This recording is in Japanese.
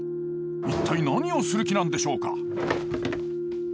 一体何をする気なんでしょうか？